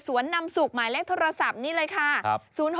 สวนนำสุขหมายเลขโทรศัพท์นี่เลยค่ะ๐๖๒๒๙๒๙๔๖๕